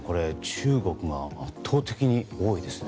中国が圧倒的に多いですね